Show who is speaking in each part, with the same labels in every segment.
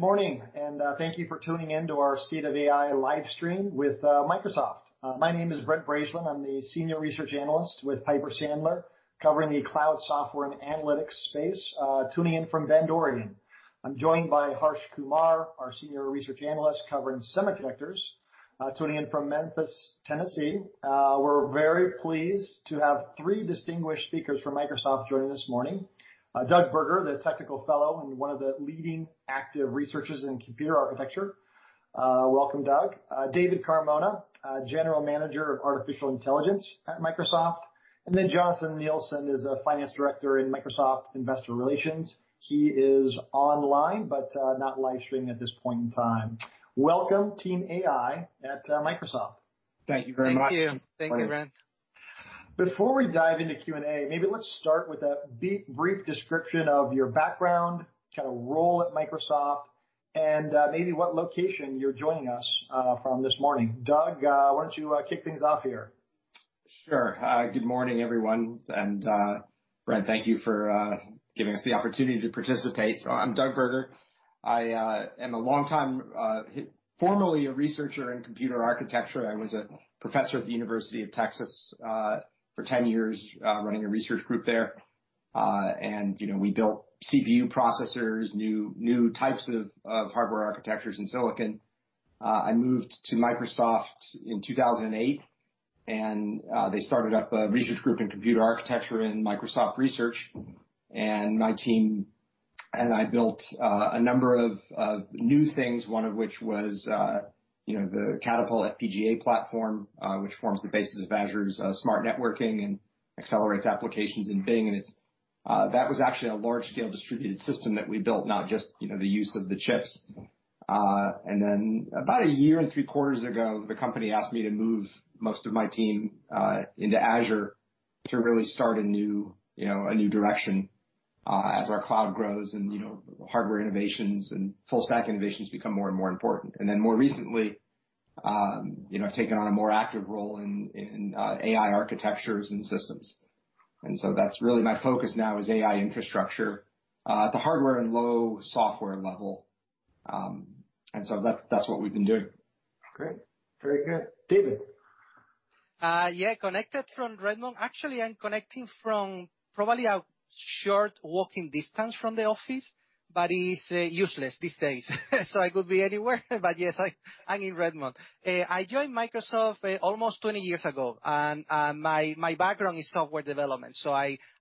Speaker 1: Good morning. Thank you for tuning in to our State of AI livestream with Microsoft. My name is Brent Bracelin. I'm the Senior Research Analyst with Piper Sandler, covering the cloud software and analytics space, tuning in from Bend, Oregon. I'm joined by Harsh Kumar, our Senior Research Analyst covering semiconductors, tuning in from Memphis, Tennessee. We're very pleased to have three distinguished speakers from Microsoft joining this morning. Doug Burger, the Technical Fellow, and one of the leading active researchers in computer architecture. Welcome, Doug. David Carmona, General Manager of Artificial Intelligence at Microsoft, and Jonathan Neilson is a finance director in Microsoft Investor Relations. He is online, but not live streaming at this point in time. Welcome, Team AI at Microsoft.
Speaker 2: Thank you very much.
Speaker 3: Thank you. Thank you, Brent.
Speaker 1: Before we dive into Q&A, maybe let's start with a brief description of your background, kind of role at Microsoft, and maybe what location you're joining us from this morning. Doug, why don't you kick things off here?
Speaker 2: Good morning, everyone. Brent, thank you for giving us the opportunity to participate. I'm Doug Burger. I am a long time, formerly a researcher in computer architecture. I was a professor at The University of Texas for 10 years, running a research group there. We built CPU processors, new types of hardware architectures in Silicon. I moved to Microsoft in 2008. They started up a research group in computer architecture in Microsoft Research. My team and I built a number of new things, one of which was the Catapult FPGA platform, which forms the basis of Azure's smart networking and accelerates applications in Bing. That was actually a large-scale distributed system that we built, not just the use of the chips. About a year and three quarters ago, the company asked me to move most of my team into Azure to really start a new direction as our cloud grows and hardware innovations and full stack innovations become more and more important. More recently, I've taken on a more active role in AI architectures and systems. That's really my focus now is AI infrastructure at the hardware and low software level. That's what we've been doing.
Speaker 1: Great. Very good. David?
Speaker 3: Yeah, connected from Redmond. Actually, I'm connecting from probably a short walking distance from the office, but it's useless these days. I could be anywhere. Yes, I'm in Redmond. I joined Microsoft almost 20 years ago. My background is software development.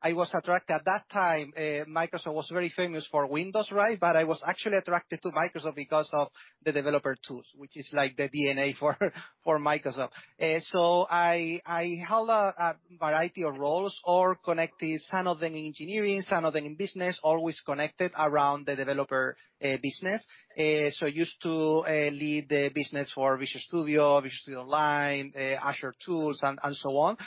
Speaker 3: I was attracted at that time, Microsoft was very famous for Windows, right? I was actually attracted to Microsoft because of the developer tools, which is like the DNA for Microsoft. I held a variety of roles, all connected, some of them in engineering, some of them in business, always connected around the developer business. Used to lead the business for Visual Studio, Visual Studio Online, Azure Tools, and so on.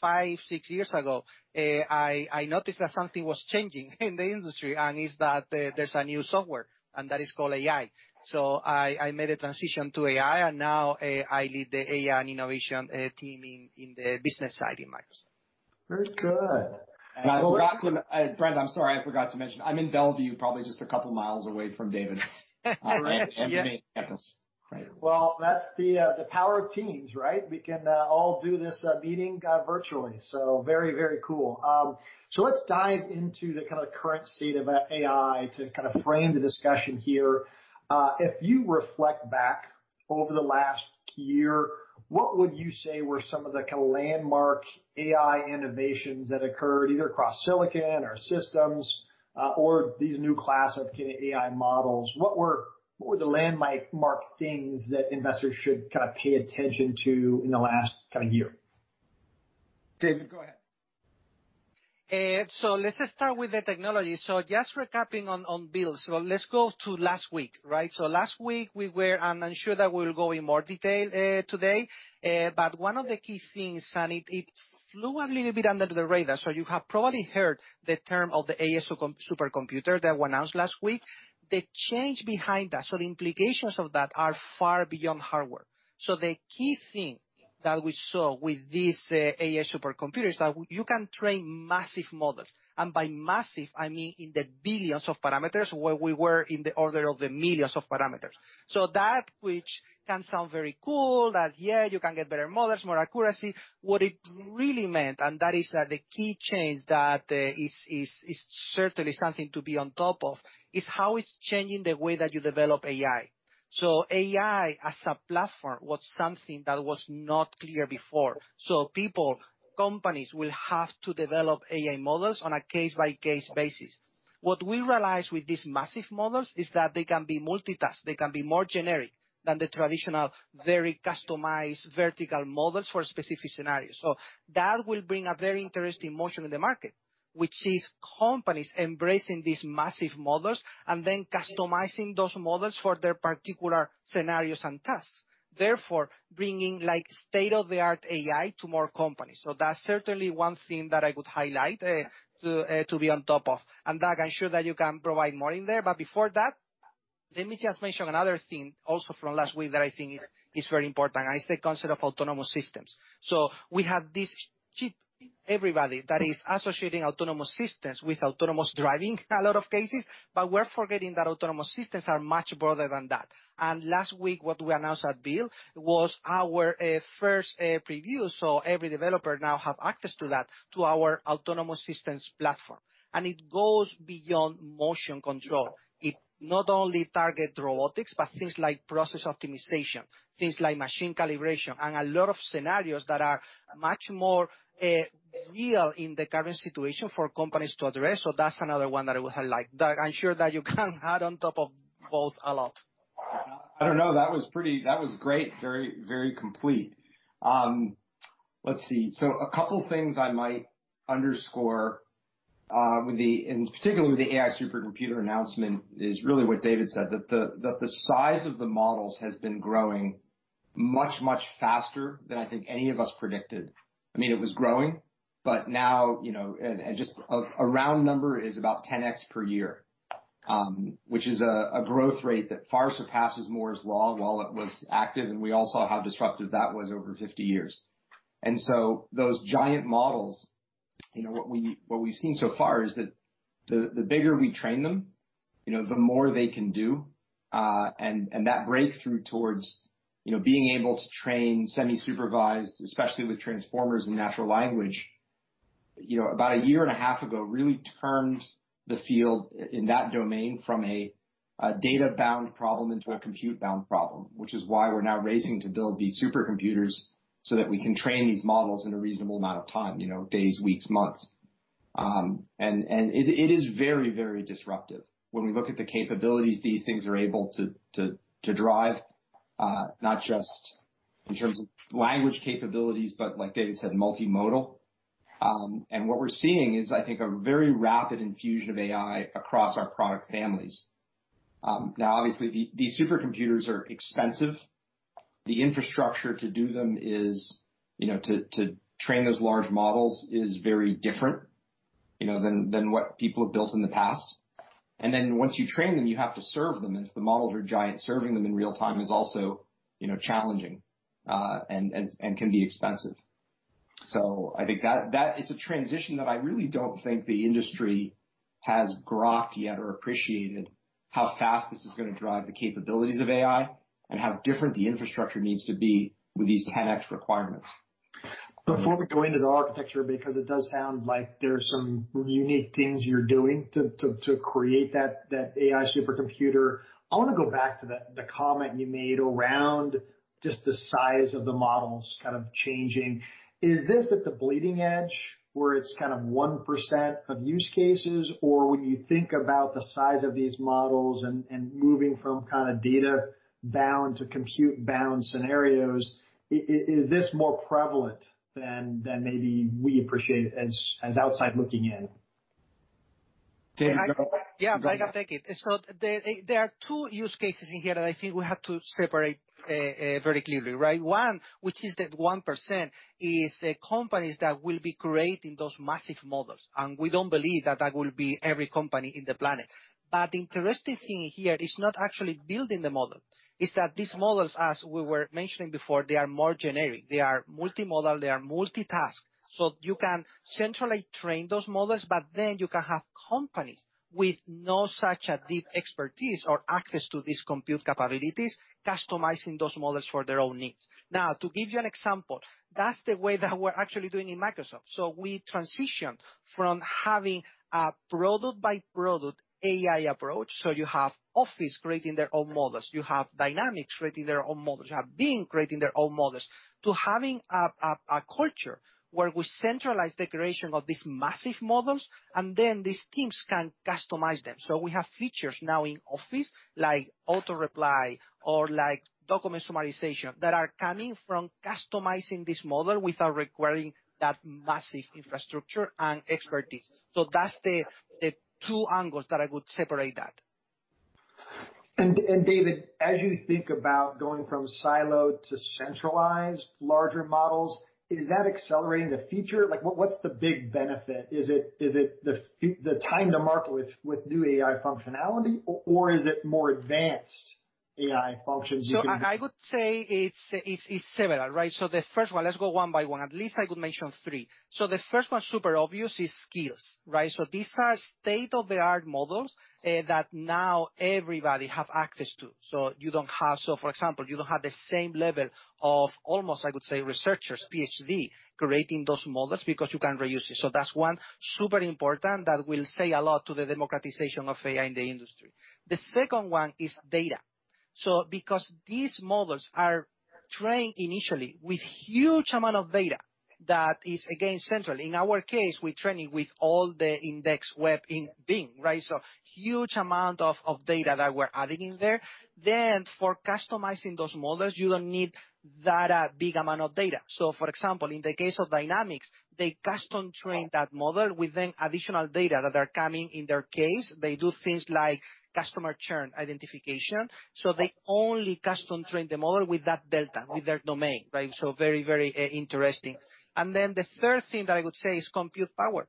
Speaker 3: Five, six years ago, I noticed that something was changing in the industry, and it's that there's a new software, that is called AI. I made a transition to AI, and now I lead the AI and innovation team in the business side in Microsoft.
Speaker 1: Very good.
Speaker 2: Brent, I'm sorry, I forgot to mention, I'm in Bellevue, probably just a couple of miles away from David.
Speaker 3: Right. Yeah.
Speaker 2: At the main campus.
Speaker 1: Well, that's the power of Teams, right? We can all do this meeting virtually. Very, very cool. Let's dive into the kind of current state of AI to kind of frame the discussion here. If you reflect back over the last year, what would you say were some of the kind of landmark AI innovations that occurred either across Silicon or systems, or these new class of AI models? What were the landmark things that investors should kind of pay attention to in the last year? David, go ahead.
Speaker 3: Let's start with the technology. Just recapping on Microsoft Build. Let's go to last week. Last week we were, and I'm sure that we'll go in more detail today, but one of the key things, and it flew a little bit under the radar, you have probably heard the term of the AI supercomputer that was announced last week. The change behind that, the implications of that are far beyond hardware. The key thing that we saw with this AI supercomputer is that you can train massive models. By massive, I mean in the billions of parameters where we were in the order of the millions of parameters. That which can sound very cool, that, yeah, you can get better models, more accuracy. What it really meant, and that is that the key change that is certainly something to be on top of, is how it's changing the way that you develop AI. AI as a platform was something that was not clear before. People, companies will have to develop AI models on a case-by-case basis. What we realize with these massive models is that they can be multitasked. They can be more generic than the traditional, very customized vertical models for specific scenarios. That will bring a very interesting motion in the market, which is companies embracing these massive models and then customizing those models for their particular scenarios and tasks. Therefore, bringing state-of-the-art AI to more companies. That's certainly one thing that I would highlight to be on top of. Doug, I'm sure that you can provide more in there, but before that, let me just mention another thing also from last week that I think is very important, and it's the concept of autonomous systems. We have this chip, everybody, that is associating autonomous systems with autonomous driving, a lot of cases, but we're forgetting that autonomous systems are much broader than that. Last week, what we announced at Build was our first preview. Every developer now have access to that, to our autonomous systems platform. It goes beyond motion control. It not only targets robotics, but things like process optimization, things like machine calibration, and a lot of scenarios that are much more real in the current situation for companies to address. That's another one that I would highlight that I'm sure that you can add on top of both a lot.
Speaker 2: I don't know. That was great. Very complete. Let's see. A couple things I might underscore, and particularly with the AI supercomputer announcement, is really what David said, that the size of the models has been growing much, much faster than I think any of us predicted. It was growing, but now, a round number is about 10X per year, which is a growth rate that far surpasses Moore's Law while it was active, and we all saw how disruptive that was over 50 years. Those giant models, what we've seen so far is that the bigger we train them, the more they can do. That breakthrough towards being able to train semi-supervised, especially with Transformers and natural language, about a year and a half ago, really turned the field in that domain from a data-bound problem into a compute-bound problem, which is why we're now racing to build these supercomputers so that we can train these models in a reasonable amount of time, days, weeks, months. It is very, very disruptive when we look at the capabilities these things are able to drive, not just in terms of language capabilities, but like David said, multimodal. What we're seeing is, I think, a very rapid infusion of AI across our product families. Now, obviously, these supercomputers are expensive. The infrastructure to do them is to train those large models is very different than what people have built in the past. Once you train them, you have to serve them. If the models are giant, serving them in real-time is also challenging, and can be expensive. I think that is a transition that I really don't think the industry has grokked yet or appreciated how fast this is going to drive the capabilities of AI and how different the infrastructure needs to be with these 10X requirements.
Speaker 1: Before we go into the architecture, because it does sound like there's some unique things you're doing to create that AI supercomputer, I want to go back to the comment you made around just the size of the models kind of changing. Is this at the bleeding edge where it's 1% of use cases? Or when you think about the size of these models and moving from data-bound to compute-bound scenarios, is this more prevalent than maybe we appreciate as outside looking in?
Speaker 2: David, go.
Speaker 3: Yeah, I can take it. There are two use cases in here that I think we have to separate very clearly, right? One, which is that 1%, is companies that will be creating those massive models, and we don't believe that that will be every company in the planet. The interesting thing here is not actually building the model. It's that these models, as we were mentioning before, they are more generic. They are multimodal, they are multitask. You can centrally train those models, but you can have companies with no such a deep expertise or access to these compute capabilities, customizing those models for their own needs. To give you an example, that's the way that we're actually doing in Microsoft. We transition from having a product-by-product AI approach. You have Office creating their own models. You have Dynamics creating their own models. You have Bing creating their own models. To having a culture where we centralize the creation of these massive models, these teams can customize them. We have features now in Office, like auto-reply or document summarization, that are coming from customizing this model without requiring that massive infrastructure and expertise. That's the two angles that I would separate that.
Speaker 1: David, as you think about going from silo to centralized larger models, is that accelerating the feature? What's the big benefit? Is it the time to market with new AI functionality, or is it more advanced AI functions you can do?
Speaker 3: I would say it's several, right? The first one, let's go one by one. At least I could mention three. The first one, super obvious, is skills, right? These are state-of-the-art models that now everybody have access to. For example, you don't have the same level of almost, I would say, researchers, PhD, creating those models because you can reuse it. That's one super important that will say a lot to the democratization of AI in the industry. The second one is data. Because these models are trained initially with huge amount of data, that is again central. In our case, we train it with all the index web in Bing, right? Huge amount of data that we're adding in there. For customizing those models, you don't need that big amount of data. For example, in the case of Dynamics, they custom train that model with then additional data that are coming in their case. They do things like customer churn identification. They only custom train the model with that delta, with their domain, right? Very interesting. The third thing that I would say is compute power.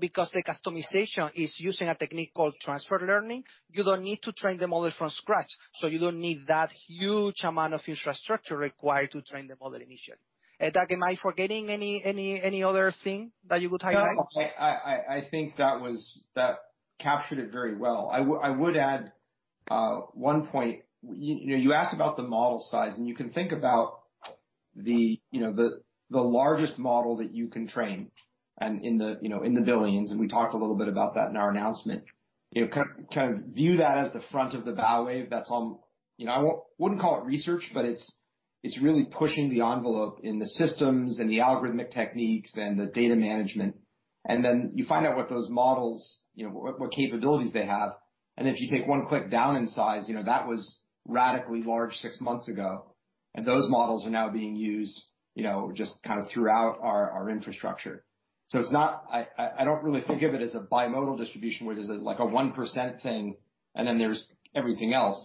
Speaker 3: Because the customization is using a technique called transfer learning, you don't need to train the model from scratch, you don't need that huge amount of infrastructure required to train the model initially. Doug, am I forgetting any other thing that you would highlight?
Speaker 2: No. I think that captured it very well. I would add one point. You asked about the model size, you can think about the largest model that you can train and in the billions, we talked a little bit about that in our announcement. Kind of view that as the front of the bow wave. I wouldn't call it research, it's really pushing the envelope in the systems and the algorithmic techniques and the data management. You find out what those models, what capabilities they have. If you take one click down in size, that was radically large six months ago, those models are now being used just kind of throughout our infrastructure. I don't really think of it as a bimodal distribution where there's like a 1% thing, there's everything else.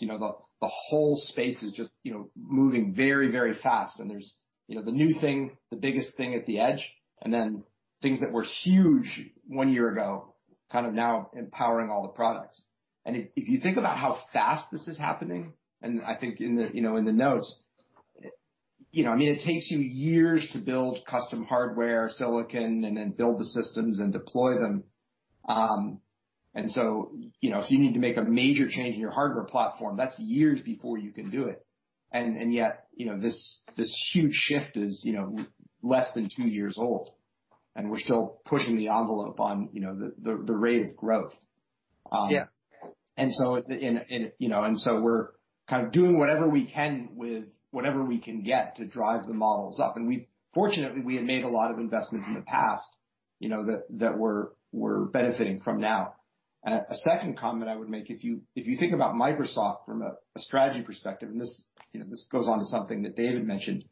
Speaker 2: The whole space is just moving very, very fast, and there's the new thing, the biggest thing at the edge, and then things that were huge one year ago, kind of now empowering all the products. If you think about how fast this is happening, I think in the notes. It takes you years to build custom hardware, silicon, and then build the systems and deploy them. If you need to make a major change in your hardware platform, that's years before you can do it. Yet, this huge shift is less than two years old, and we're still pushing the envelope on the rate of growth.
Speaker 3: Yeah.
Speaker 2: We're kind of doing whatever we can with whatever we can get to drive the models up. Fortunately, we had made a lot of investments in the past that we're benefiting from now. A second comment I would make, if you think about Microsoft from a strategy perspective, this goes on to something that David mentioned.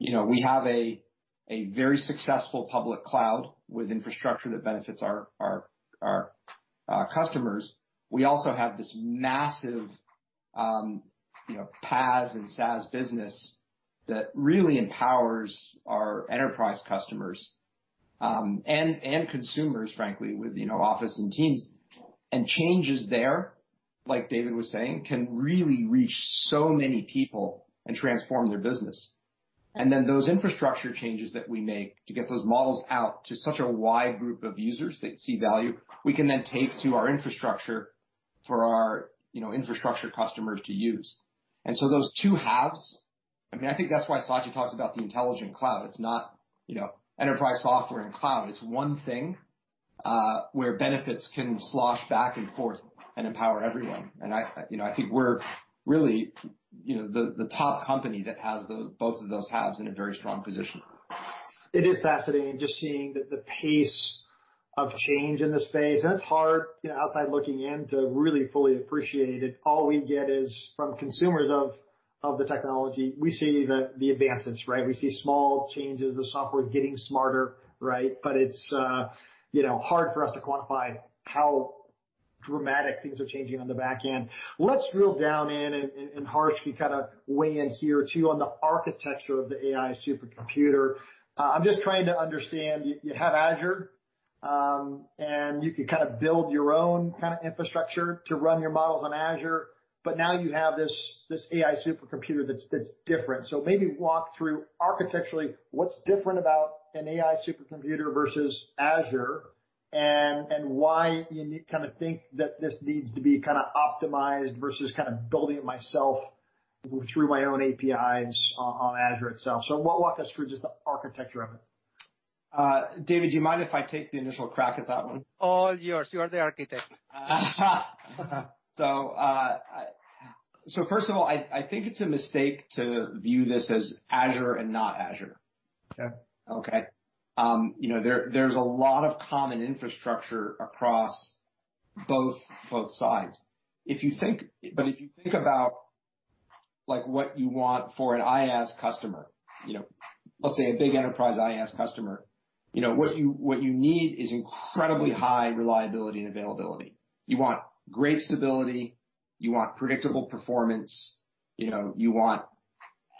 Speaker 2: We have a very successful public cloud with infrastructure that benefits our customers. We also have this massive PaaS and SaaS business that really empowers our enterprise customers, and consumers, frankly, with Office and Teams. Changes there, like David was saying, can really reach so many people and transform their business. Those infrastructure changes that we make to get those models out to such a wide group of users that see value, we can then take to our infrastructure for our infrastructure customers to use. Those two halves, I think that's why Satya talks about the intelligent cloud. It's not enterprise software and cloud. It's one thing where benefits can slosh back and forth and empower everyone. I think we're really the top company that has both of those halves in a very strong position.
Speaker 1: It is fascinating just seeing the pace of change in the space. It's hard outside looking in to really fully appreciate it. All we get is from consumers of the technology. We see the advances, right. We see small changes, the software is getting smarter, right. It's hard for us to quantify how dramatic things are changing on the back end. Let's drill down in, Harsh, you kind of weigh in here, too, on the architecture of the AI supercomputer. I'm just trying to understand. You have Azure, and you can kind of build your own kind of infrastructure to run your models on Azure. Now you have this AI supercomputer that's different. Maybe walk through architecturally what's different about an AI supercomputer versus Azure and why you think that this needs to be optimized versus building it myself through my own APIs on Azure itself. Walk us through just the architecture of it.
Speaker 2: David, do you mind if I take the initial crack at that one?
Speaker 3: All yours. You are the architect.
Speaker 2: First of all, I think it's a mistake to view this as Azure and not Azure.
Speaker 1: Okay.
Speaker 2: Okay. There's a lot of common infrastructure across both sides. If you think about what you want for an IaaS customer, let's say a big enterprise IaaS customer. What you need is incredibly high reliability and availability. You want great stability. You want predictable performance. You want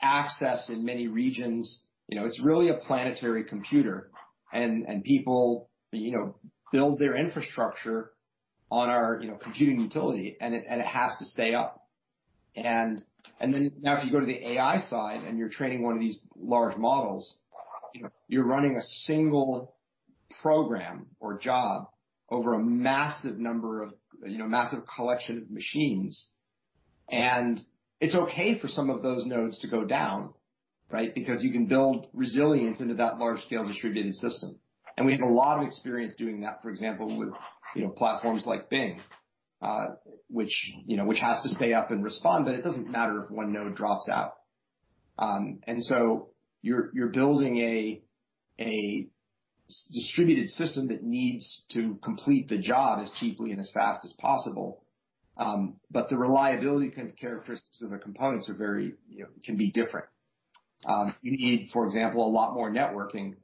Speaker 2: access in many regions. It's really a planetary computer, and people build their infrastructure on our computing utility, and it has to stay up. If you go to the AI side and you're training one of these large models, you're running a single program or job over a massive collection of machines. It's okay for some of those nodes to go down, right? Because you can build resilience into that large-scale distributed system. We have a lot of experience doing that, for example, with platforms like Bing, which has to stay up and respond, but it doesn't matter if one node drops out. You're building a distributed system that needs to complete the job as cheaply and as fast as possible. The reliability characteristics of the components can be different. You need, for example, a lot more networking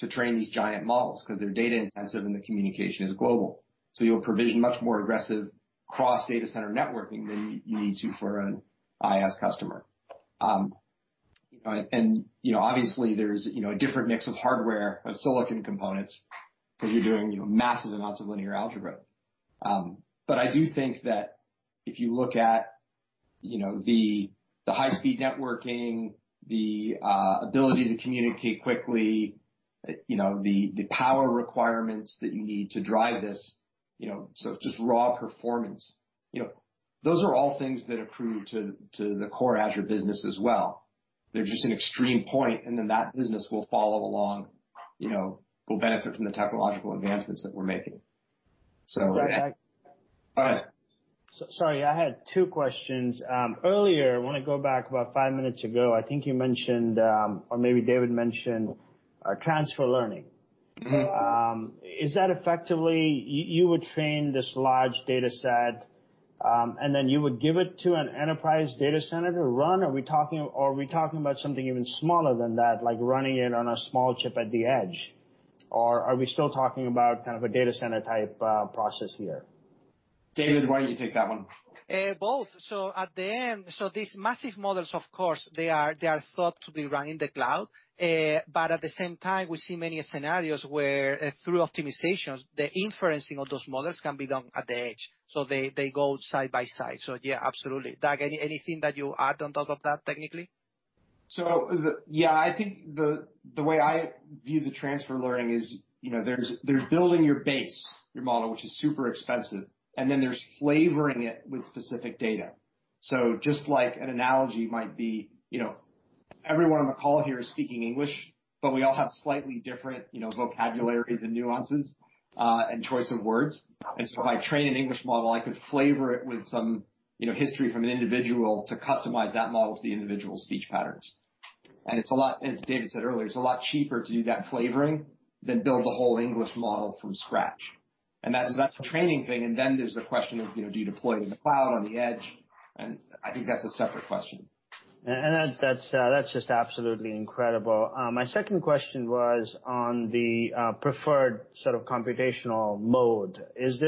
Speaker 2: to train these giant models because they're data-intensive and the communication is global. You'll provision much more aggressive cross data center networking than you need to for an IaaS customer. There's a different mix of hardware of silicon components because you're doing massive amounts of linear algebra. I do think that if you look at the high-speed networking, the ability to communicate quickly, the power requirements that you need to drive this, just raw performance. Those are all things that accrue to the core Azure business as well. They're just an extreme point, that business will follow along, will benefit from the technological advancements that we're making.
Speaker 4: Doug,
Speaker 2: Go ahead.
Speaker 4: Sorry, I had two questions. Earlier, I want to go back about five minutes ago, I think you mentioned, or maybe David mentioned, transfer learning. Is that effectively, you would train this large data set, and then you would give it to an enterprise data center to run? Or are we talking about something even smaller than that, like running it on a small chip at the edge? Or are we still talking about a data center type process here?
Speaker 2: David, why don't you take that one?
Speaker 3: Both. At the end, these massive models, of course, they are thought to be run in the cloud. At the same time, we see many scenarios where through optimizations, the inferencing of those models can be done at the edge. They go side by side. Yeah, absolutely. Doug, anything that you add on top of that technically?
Speaker 2: Yeah. I think the way I view the transfer learning is there's building your base, your model, which is super expensive, and then there's flavoring it with specific data. Just like an analogy might be, everyone on the call here is speaking English, but we all have slightly different vocabularies and nuances, and choice of words. If I train an English model, I could flavor it with some history from an individual to customize that model to the individual's speech patterns. As David said earlier, it's a lot cheaper to do that flavoring than build a whole English model from scratch. That's the training thing, and then there's the question of, do you deploy it in the cloud, on the edge? I think that's a separate question.
Speaker 4: That's just absolutely incredible. My second question was on the preferred computational mode. Is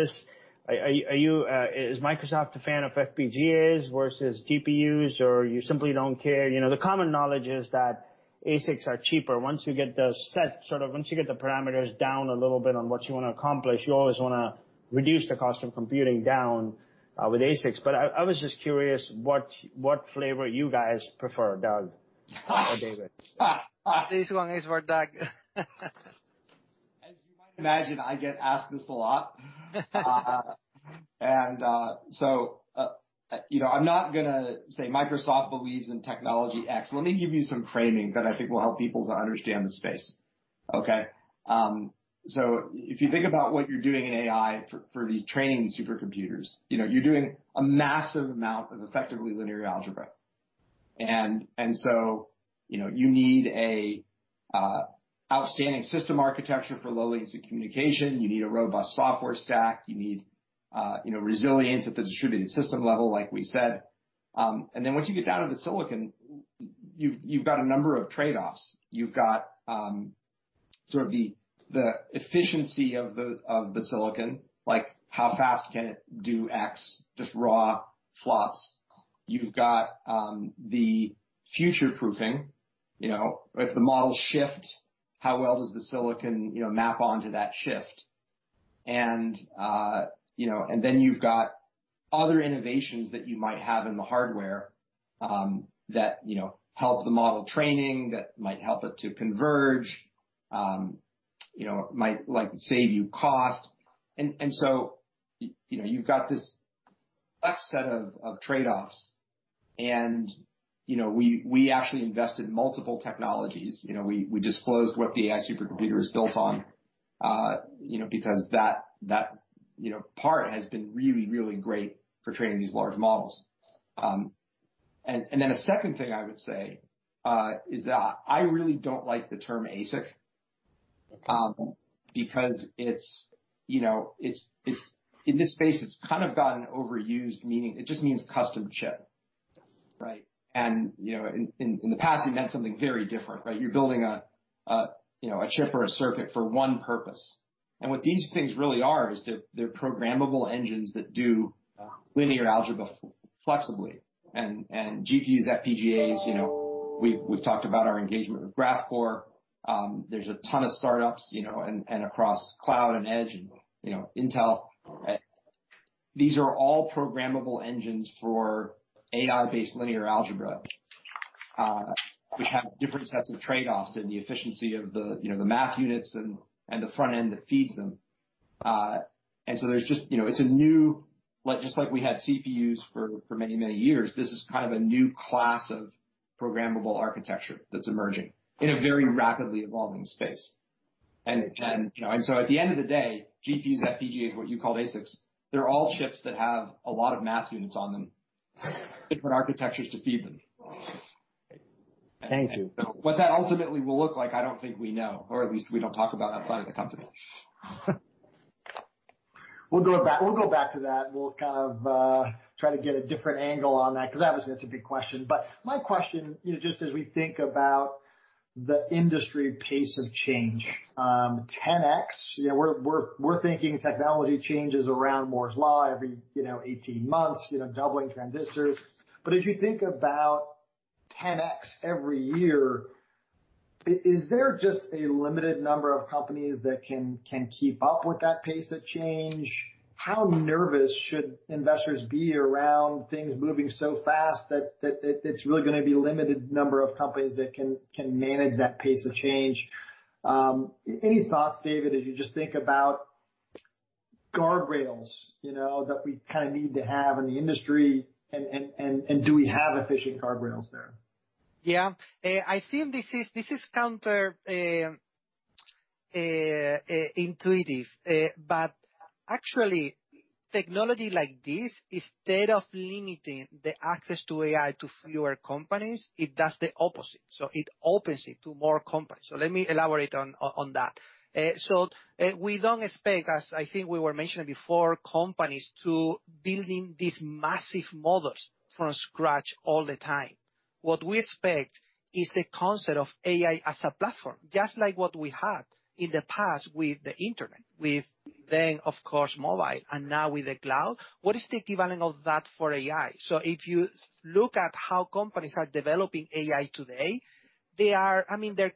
Speaker 4: Microsoft a fan of FPGAs versus GPUs, or you simply don't care? The common knowledge is that ASICs are cheaper. Once you get the parameters down a little bit on what you want to accomplish, you always want to reduce the cost of computing down with ASICs. I was just curious what flavor you guys prefer, Doug or David.
Speaker 3: This one is for Doug.
Speaker 2: I get asked this a lot. I'm not going to say Microsoft believes in technology X. Let me give you some framing that I think will help people to understand the space. Okay? If you think about what you're doing in AI for these training supercomputers, you're doing a massive amount of effectively linear algebra. You need an outstanding system architecture for low latency communication. You need a robust software stack. You need resilience at the distributed system level, like we said. Once you get down to the silicon, you've got a number of trade-offs. You've got the efficiency of the silicon, like how fast can it do X, just raw flops. You've got the future-proofing. If the models shift, how well does the silicon map onto that shift? You've got other innovations that you might have in the hardware that help the model training, that might help it to converge, might save you cost. You've got this flex set of trade-offs, and we actually invest in multiple technologies. We disclosed what the AI supercomputer is built on because that part has been really great for training these large models. A second thing I would say is that I really don't like the term ASIC because in this space, it's kind of gotten overused meaning. It just means custom chip. Right? In the past, it meant something very different, right? You're building a chip or a circuit for one purpose. What these things really are is they're programmable engines that do linear algebra flexibly. GPUs, FPGAs, we've talked about our engagement with Graphcore. There's a ton of startups, and across cloud and edge and Intel. These are all programmable engines for AI-based linear algebra, which have different sets of trade-offs in the efficiency of the math units and the front end that feeds them. Just like we had CPUs for many years, this is kind of a new class of programmable architecture that's emerging in a very rapidly evolving space. At the end of the day, GPUs, FPGAs, what you called ASICs, they're all chips that have a lot of math units on them, different architectures to feed them.
Speaker 4: Thank you.
Speaker 2: What that ultimately will look like, I don't think we know, or at least we don't talk about outside of the company.
Speaker 1: We'll go back to that. We'll kind of try to get a different angle on that because that was a big question. My question, just as we think about the industry pace of change. 10x, we're thinking technology changes around Moore's Law every 18 months, doubling transistors. If you think about 10x every year, is there just a limited number of companies that can keep up with that pace of change? How nervous should investors be around things moving so fast that it's really going to be a limited number of companies that can manage that pace of change? Any thoughts, David, as you just think about guardrails that we need to have in the industry, and do we have efficient guardrails there?
Speaker 3: Yeah. I think this is counterintuitive, but actually, technology like this, instead of limiting the access to AI to fewer companies, it does the opposite. It opens it to more companies. Let me elaborate on that. We don't expect, as I think we were mentioning before, companies to building these massive models from scratch all the time. What we expect is the concept of AI as a platform, just like what we had in the past with the internet, with then, of course, mobile, and now with the cloud. What is the equivalent of that for AI? If you look at how companies are developing AI today, their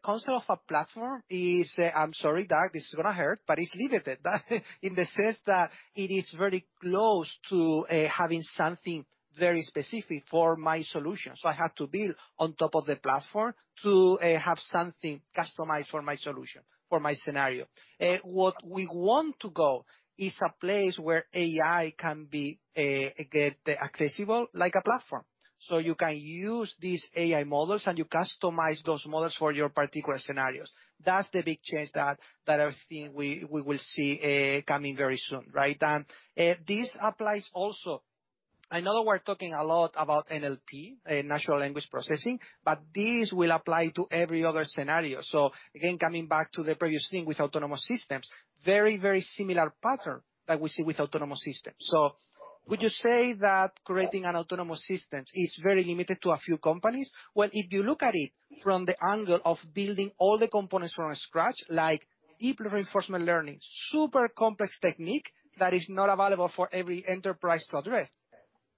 Speaker 3: concept of a platform is, I'm sorry, Doug, this is going to hurt, but it's limited in the sense that it is very close to having something very specific for my solution. I have to build on top of the platform to have something customized for my solution, for my scenario. Where we want to go is a place where AI can be accessible like a platform. You can use these AI models, and you customize those models for your particular scenarios. That's the big change that I think we will see coming very soon, right? This applies also, I know we're talking a lot about NLP, natural language processing, but this will apply to every other scenario. Again, coming back to the previous thing with autonomous systems, very similar pattern that we see with autonomous systems. Would you say that creating an autonomous system is very limited to a few companies? Well, if you look at it from the angle of building all the components from scratch, like deep reinforcement learning, super complex technique that is not available for every enterprise to address.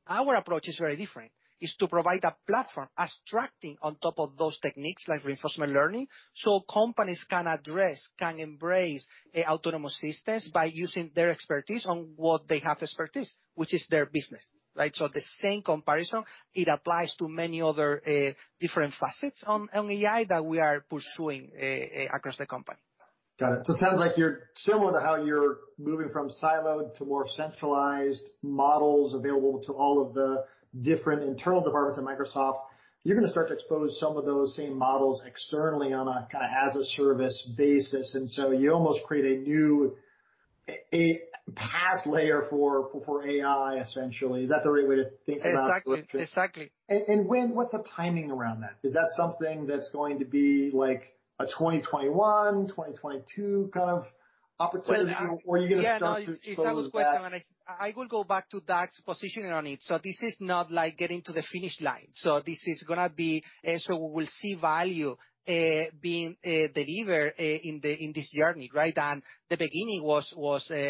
Speaker 3: Our approach is very different. It is to provide a platform abstracting on top of those techniques, like reinforcement learning, so companies can address, can embrace autonomous systems by using their expertise on what they have expertise, which is their business. Right? The same comparison, it applies to many other different facets on AI that we are pursuing across the company.
Speaker 1: Got it. It sounds like similar to how you are moving from siloed to more centralized models available to all of the different internal departments at Microsoft, you are going to start to expose some of those same models externally on a kind of as-a-service basis. You almost create a new PaaS layer for AI, essentially. Is that the right way to think about?
Speaker 3: Exactly.
Speaker 1: What is the timing around that? Is that something that is going to be like a 2021, 2022 kind of opportunity, or are you going to start to expose that?
Speaker 3: Yeah, no, it is a good question, and I will go back to Doug's positioning on it. This is not like getting to the finish line. We will see value being delivered in this journey, right? The beginning was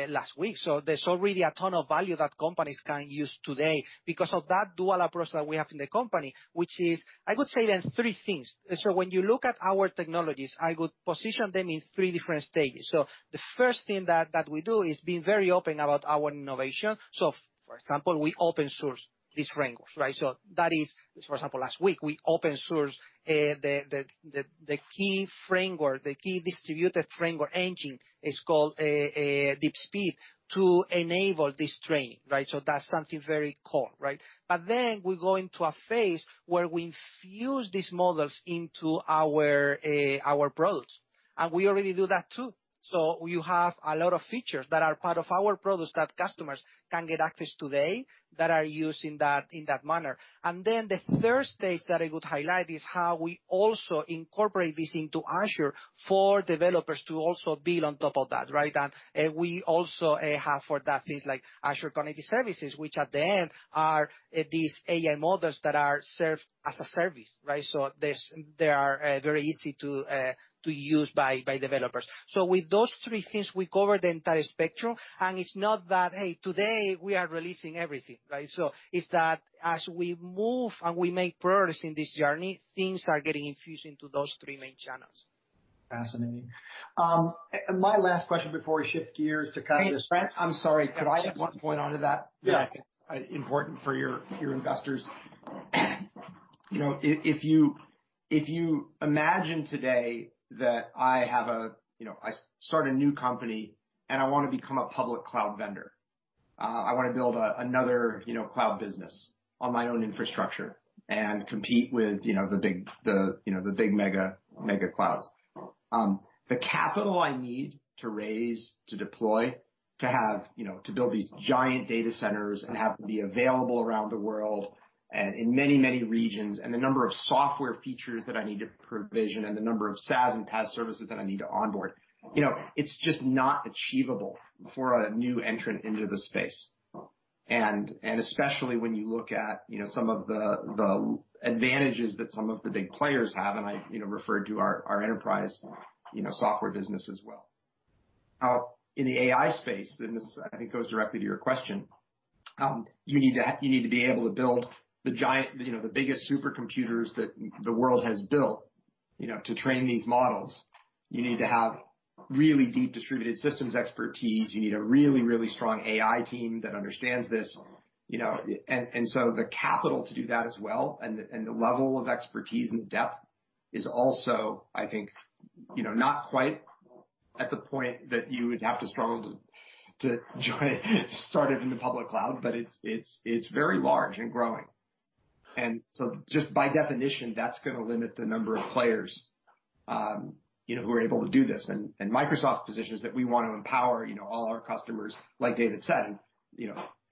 Speaker 3: last week. There is already a ton of value that companies can use today because of that dual approach that we have in the company, which is, I would say, there are three things. When you look at our technologies, I would position them in three different stages. The first thing that we do is be very open about our innovation. For example, we open source these frameworks, right? That is, for example, last week, we open sourced the key framework, the key distributed framework engine is called DeepSpeed to enable this training, right? That is something very core, right? We go into a phase where we infuse these models into our products. We already do that too. You have a lot of features that are part of our products that customers can get access today that are used in that manner. The third stage that I would highlight is how we also incorporate this into Azure for developers to also build on top of that, right? We also have for that things like Azure Cognitive Services, which at the end are these AI models that are served as a service, right? They are very easy to use by developers. With those three things, we cover the entire spectrum, and it's not that, hey, today we are releasing everything, right? It's that as we move and we make progress in this journey, things are getting infused into those three main channels.
Speaker 1: Fascinating. My last question before we shift gears.
Speaker 2: Hey, Brent, I'm sorry, could I add one point onto that?
Speaker 1: Yeah.
Speaker 2: I think is important for your investors. If you imagine today that I start a new company, and I want to become a public cloud vendor. I want to build another cloud business on my own infrastructure and compete with the big mega clouds. The capital I need to raise, to deploy, to build these giant data centers and have them be available around the world and in many regions, and the number of software features that I need to provision and the number of SaaS and PaaS services that I need to onboard. It's just not achievable for a new entrant into the space. Especially when you look at some of the advantages that some of the big players have, and I refer to our enterprise software business as well. In the AI space, this, I think, goes directly to your question, you need to be able to build the biggest AI supercomputers that the world has built to train these models. You need to have really deep distributed systems expertise. You need a really strong AI team that understands this. The capital to do that as well and the level of expertise and the depth is also, I think, not quite at the point that you would have to struggle to start it in the public cloud, but it's very large and growing. Just by definition, that's going to limit the number of players who are able to do this. Microsoft's position is that we want to empower all our customers, like David said,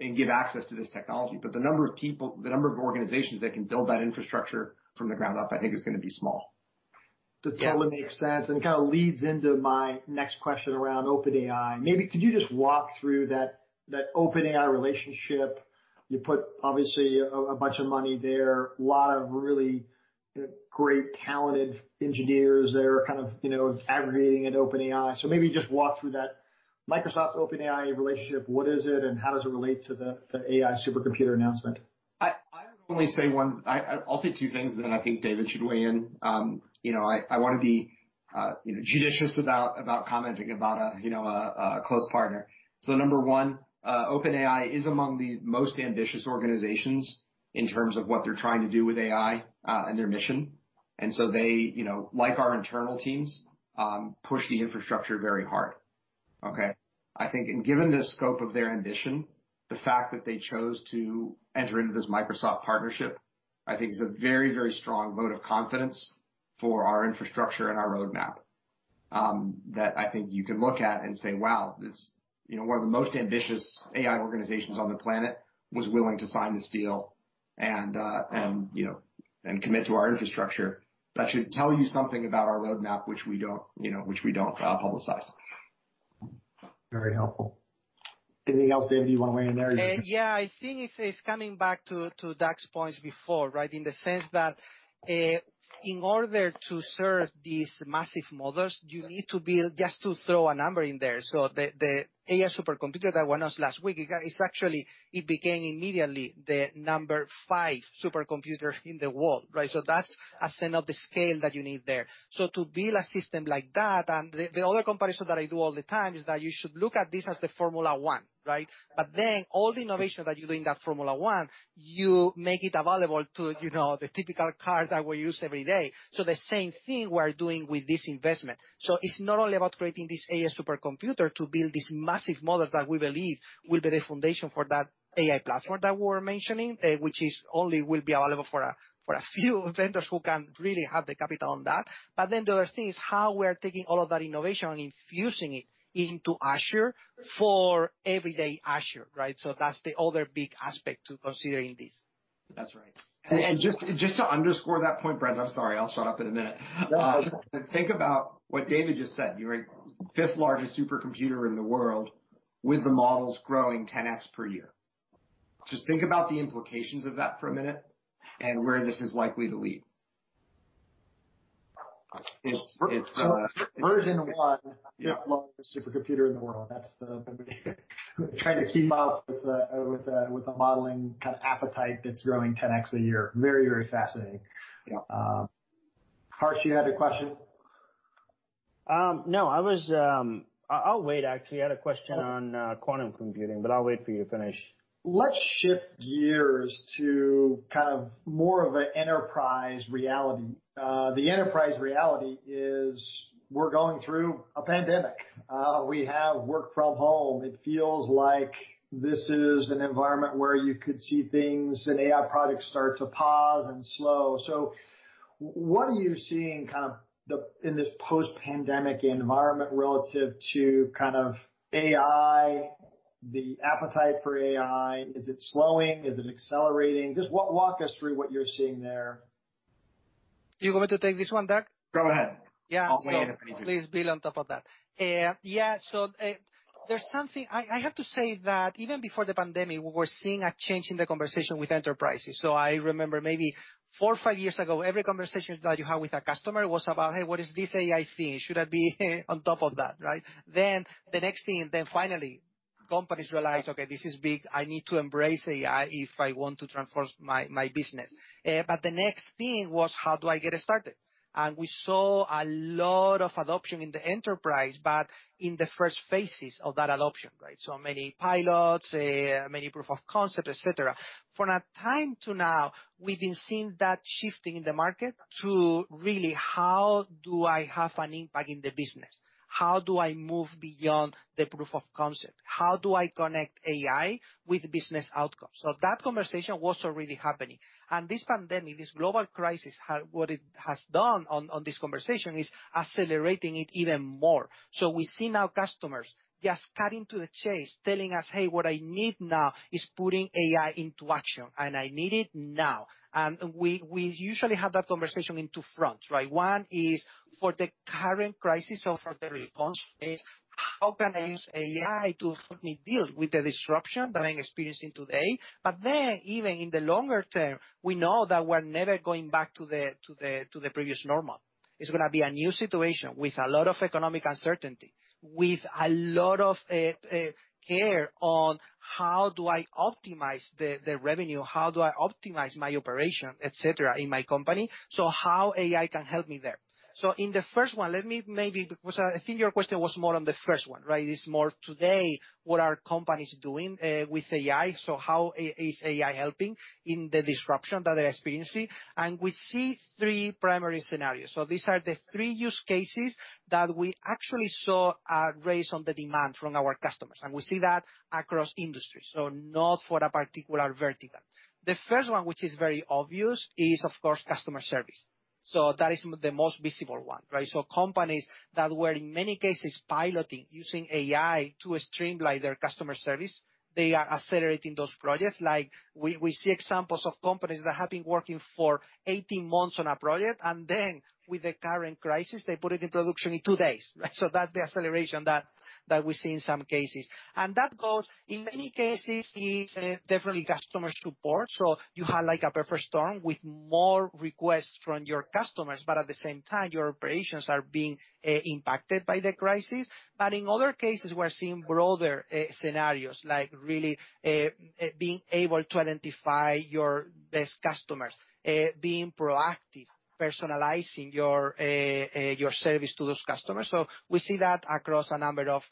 Speaker 2: and give access to this technology. The number of organizations that can build that infrastructure from the ground up, I think, is going to be small.
Speaker 1: That totally makes sense and kind of leads into my next question around OpenAI. Maybe could you just walk through that OpenAI relationship? You put obviously a bunch of money there, a lot of really great talented engineers there kind of aggregating at OpenAI. Maybe just walk through that Microsoft-OpenAI relationship. What is it, and how does it relate to the AI supercomputer announcement?
Speaker 2: I'll say two things, then I think David should weigh in. I want to be judicious about commenting about a close partner. Number one, OpenAI is among the most ambitious organizations in terms of what they're trying to do with AI and their mission. They, like our internal teams, push the infrastructure very hard. Okay. I think given the scope of their ambition, the fact that they chose to enter into this Microsoft partnership, I think is a very strong vote of confidence for our infrastructure and our roadmap that I think you can look at and say, "Wow, one of the most ambitious AI organizations on the planet was willing to sign this deal and commit to our infrastructure." That should tell you something about our roadmap, which we don't publicize.
Speaker 1: Very helpful. Anything else, David, you want to weigh in there?
Speaker 3: Yeah, I think it's coming back to Doug's points before, right? In the sense that in order to serve these massive models, you need to build just to throw a number in there. The AI supercomputer that went off last week, it became immediately the number five supercomputer in the world, right? That's a sign of the scale that you need there. To build a system like that, and the other comparison that I do all the time is that you should look at this as the Formula One, right? All the innovation that you do in that Formula One, you make it available to the typical cars that we use every day. The same thing we are doing with this investment. It's not only about creating this AI supercomputer to build these massive models that we believe will be the foundation for that AI platform that we're mentioning, which only will be available for a few vendors who can really have the capital on that. The other thing is how we are taking all of that innovation and infusing it into Azure for everyday Azure, right? That's the other big aspect to consider in this.
Speaker 2: That's right. Just to underscore that point, Brent, I'm sorry, I'll shut up in a minute.
Speaker 1: No.
Speaker 2: Think about what David just said. Fifth largest supercomputer in the world with the models growing 10x per year. Just think about the implications of that for a minute and where this is likely to lead.
Speaker 1: Version one, fifth largest supercomputer in the world. That's the trying to keep up with the modeling kind of appetite that's growing 10x a year. Very fascinating.
Speaker 2: Yep.
Speaker 1: Harsh, you had a question?
Speaker 4: No. I'll wait, actually. I had a question on quantum computing, but I'll wait for you to finish.
Speaker 1: Let's shift gears to kind of more of an enterprise reality. The enterprise reality is we're going through a pandemic. We have work from home. It feels like this is an environment where you could see things and AI projects start to pause and slow. What are you seeing in this post-pandemic environment relative to AI, the appetite for AI? Is it slowing? Is it accelerating? Just walk us through what you're seeing there.
Speaker 3: You want me to take this one, Doug?
Speaker 1: Go ahead.
Speaker 3: Yeah.
Speaker 1: I'll weigh in if I need to.
Speaker 3: Please build on top of that. Yeah. I have to say that even before the pandemic, we were seeing a change in the conversation with enterprises. I remember maybe four or five years ago, every conversation that you had with a customer was about, "Hey, what is this AI thing? Should I be on top of that?" Right? The next thing is then finally companies realize, "Okay, this is big. I need to embrace AI if I want to transform my business." The next thing was, how do I get it started? We saw a lot of adoption in the enterprise, but in the first phases of that adoption, right? Many pilots, many proof of concept, et cetera. From that time to now, we've been seeing that shifting in the market to really, how do I have an impact in the business? How do I move beyond the proof of concept? How do I connect AI with business outcomes? That conversation was already happening. This pandemic, this global crisis, what it has done on this conversation is accelerating it even more. We see now customers just cutting to the chase, telling us, "Hey, what I need now is putting AI into action, and I need it now." We usually have that conversation in two fronts, right? One is for the current crisis or for the response phase. How can I use AI to help me deal with the disruption that I'm experiencing today? Even in the longer term, we know that we're never going back to the previous normal. It's going to be a new situation with a lot of economic uncertainty, with a lot of care on how do I optimize the revenue, how do I optimize my operation, et cetera, in my company. How AI can help me there. In the first one, let me maybe, because I think your question was more on the first one, right? It's more today, what are companies doing with AI? How is AI helping in the disruption that they're experiencing? We see three primary scenarios. These are the three use cases that we actually saw a raise on the demand from our customers, and we see that across industries. Not for a particular vertical. The first one, which is very obvious, is of course, customer service. That is the most visible one, right? Companies that were in many cases piloting using AI to streamline their customer service, they are accelerating those projects. We see examples of companies that have been working for 18 months on a project, and then with the current crisis, they put it in production in two days. That's the acceleration that we see in some cases. That goes, in many cases, it's definitely customer support. You have a perfect storm with more requests from your customers, but at the same time, your operations are being impacted by the crisis. In other cases, we're seeing broader scenarios like really being able to identify your best customers, being proactive, personalizing your service to those customers. We see that across a number of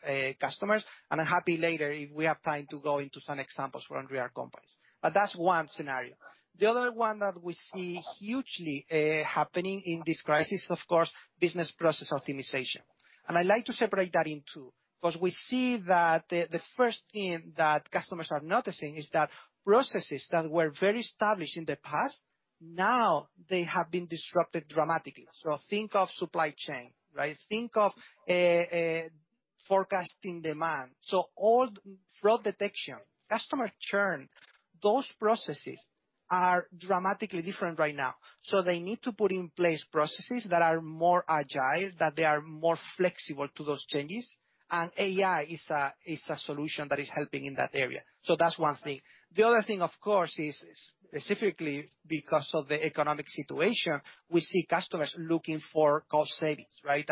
Speaker 3: customers, and I'm happy later if we have time to go into some examples from real companies. That's one scenario. The other one that we see hugely happening in this crisis, of course, business process optimization. I like to separate that in two, because we see that the first thing that customers are noticing is that processes that were very established in the past, now they have been disrupted dramatically. Think of supply chain, right? Think of forecasting demand. Fraud detection, customer churn, those processes are dramatically different right now. They need to put in place processes that are more agile, that they are more flexible to those changes, AI is a solution that is helping in that area. That's one thing. The other thing, of course, is specifically because of the economic situation, we see customers looking for cost savings, right?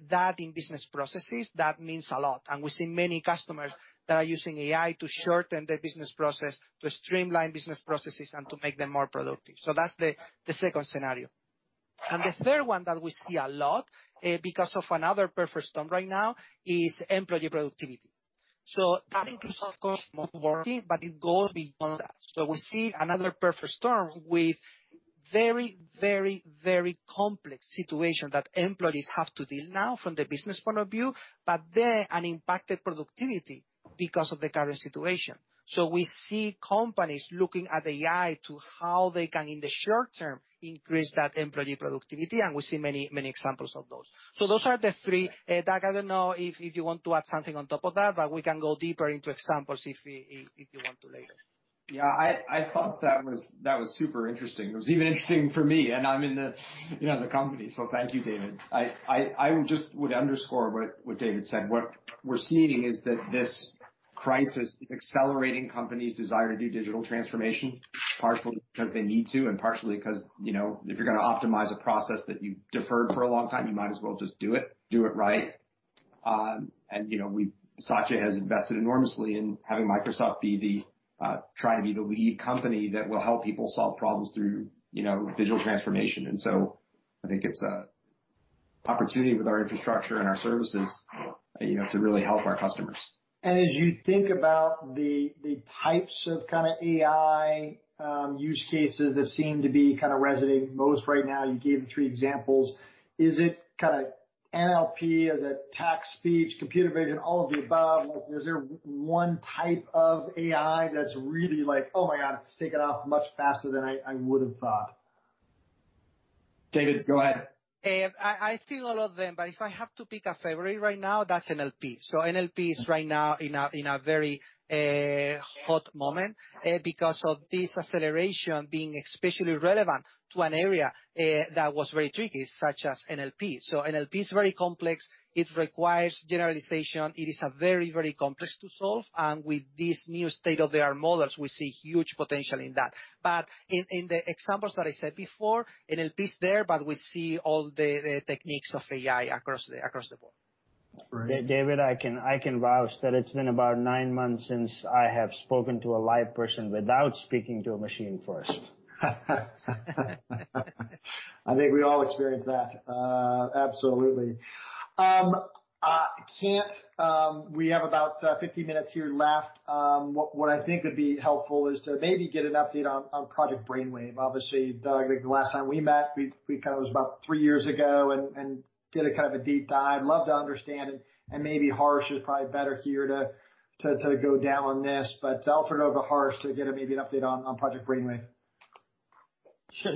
Speaker 3: That in business processes, that means a lot. We see many customers that are using AI to shorten their business process, to streamline business processes, and to make them more productive. That's the second scenario. The third one that we see a lot, because of another perfect storm right now, is employee productivity. That includes, of course, more working, but it goes beyond that. We see another perfect storm with very complex situation that employees have to deal now from the business point of view, but then an impacted productivity because of the current situation. We see companies looking at AI to how they can, in the short term, increase that employee productivity, we see many examples of those. Those are the three. Doug, I don't know if you want to add something on top of that, we can go deeper into examples if you want to later.
Speaker 2: Yeah. I thought that was super interesting. It was even interesting for me, and I'm in the company, so thank you, David. I just would underscore what David said. What we're seeing is that this crisis is accelerating companies' desire to do digital transformation, partially because they need to, and partially because if you're going to optimize a process that you deferred for a long time, you might as well just do it, do it right. Satya has invested enormously in having Microsoft try to be the lead company that will help people solve problems through digital transformation. I think it's an opportunity with our infrastructure and our services to really help our customers.
Speaker 1: As you think about the types of AI use cases that seem to be resonating most right now, you gave three examples. Is it NLP? Is it text, speech, computer vision, all of the above? Is there one type of AI that's really like, "Oh my god, it's taking off much faster than I would have thought?
Speaker 2: David, go ahead.
Speaker 3: I feel all of them, if I have to pick a favorite right now, that's NLP. NLP is right now in a very hot moment because of this acceleration being especially relevant to an area that was very tricky, such as NLP. NLP is very complex. It requires generalization. It is very, very complex to solve. With this new state-of-the-art models, we see huge potential in that. In the examples that I said before, NLP is there, we see all the techniques of AI across the board.
Speaker 1: Right.
Speaker 4: David, I can vouch that it's been about nine months since I have spoken to a live person without speaking to a machine first.
Speaker 1: I think we all experience that. Absolutely. We have about 15 minutes here left. What I think would be helpful is to maybe get an update on Project Brainwave. Obviously, Doug, I think the last time we met, it was about three years ago, and did a kind of a deep dive. Love to understand, and maybe Harsh is probably better here to go down on this, but to Alfred or to Harsh to get maybe an update on Project Brainwave.
Speaker 4: Sure.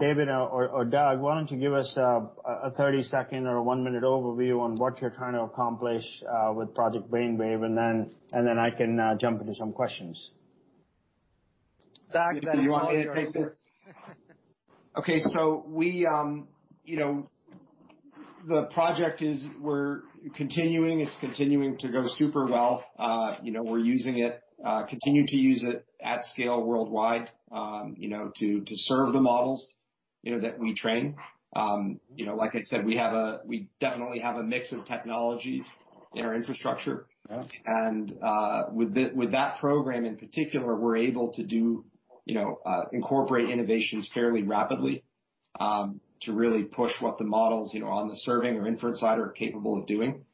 Speaker 4: David or Doug, why don't you give us a 30-second or one-minute overview on what you're trying to accomplish with Project Brainwave, and then I can jump into some questions.
Speaker 3: Doug, it's all yours.
Speaker 2: The project, we're continuing. It's continuing to go super well. We're using it, continue to use it at scale worldwide, to serve the models that we train. Like I said, we definitely have a mix of technologies in our infrastructure.
Speaker 3: Yeah.
Speaker 2: With that program in particular, we're able to incorporate innovations fairly rapidly, to really push what the models on the serving or inference side are capable of doing.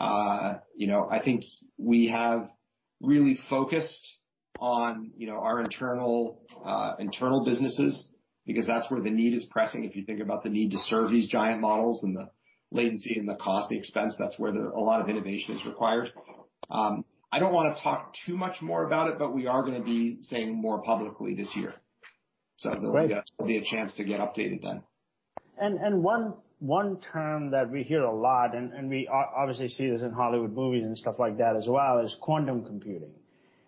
Speaker 2: I think we have really focused on our internal businesses, because that's where the need is pressing. If you think about the need to serve these giant models and the latency and the cost, the expense, that's where a lot of innovation is required. I don't want to talk too much more about it. We are going to be saying more publicly this year.
Speaker 3: Great.
Speaker 2: I believe that'll be a chance to get updated then.
Speaker 4: One term that we hear a lot, we obviously see this in Hollywood movies and stuff like that as well, is quantum computing.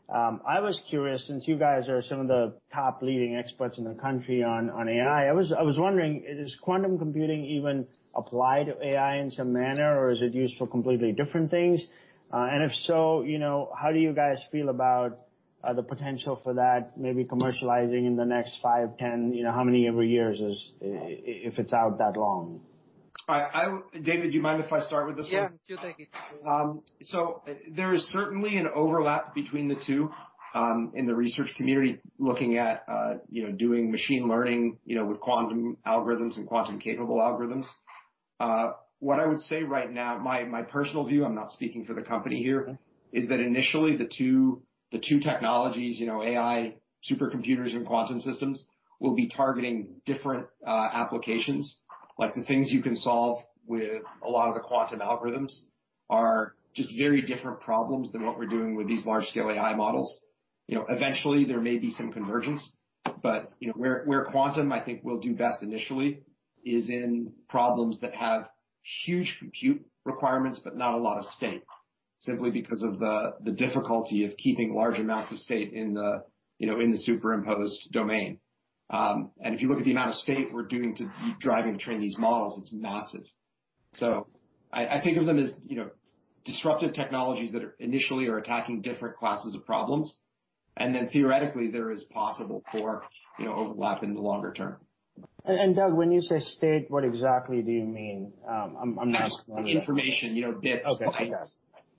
Speaker 4: I was curious, since you guys are some of the top leading experts in the country on AI, I was wondering, is quantum computing even applied to AI in some manner, or is it used for completely different things? If so, how do you guys feel about the potential for that maybe commercializing in the next five, 10, how many ever years, if it's out that long?
Speaker 2: David, do you mind if I start with this one?
Speaker 3: Yeah. Sure thing.
Speaker 2: There is certainly an overlap between the two in the research community looking at doing machine learning with quantum algorithms and quantum-capable algorithms. What I would say right now, my personal view, I'm not speaking for the company here, is that initially the two technologies, AI supercomputers and quantum systems, will be targeting different applications. Like the things you can solve with a lot of the quantum algorithms are just very different problems than what we're doing with these large-scale AI models. Eventually there may be some convergence, but where quantum, I think, will do best initially is in problems that have huge compute requirements, but not a lot of state, simply because of the difficulty of keeping large amounts of state in the superimposed domain. If you look at the amount of state we're doing to be driving and train these models, it's massive. I think of them as disruptive technologies that initially are attacking different classes of problems, and then theoretically, there is possible for overlap in the longer term.
Speaker 4: Doug, when you say state, what exactly do you mean? I'm just wondering.
Speaker 2: Information. Bits, bytes.